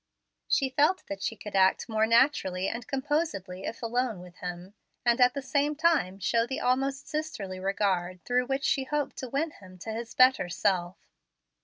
She felt that she could act more naturally and composedly if alone with him, and at the same time show the almost sisterly regard through which she hoped to win him to his better self.